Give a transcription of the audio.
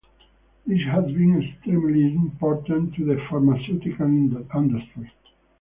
This has been extremely important to the pharmaceutical industry.